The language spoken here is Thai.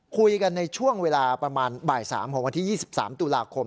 คุยกันในช่วงเวลาประมาณบ่าย๓ของวันที่๒๓ตุลาคม